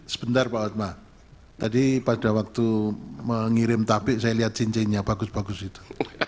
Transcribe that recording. sebentar pak hotma tadi pada waktu mengirim tabik saya lihat cincinnya bagus bagus itu